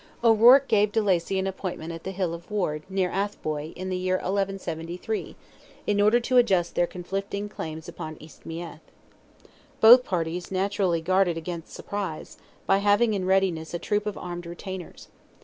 O'Ruarc gave de Lacy an appointment at the hill of Ward, near Athboy, in the year 1173, in order to adjust their conflicting claims upon East Meath. Both parties naturally guarded against surprise, by having in readiness a troop of armed retainers.